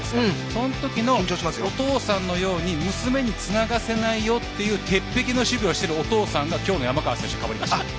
そのときのお父さんのように娘につながせないよという鉄壁の守備をしているお父さんが今日の山川選手にかぶりました。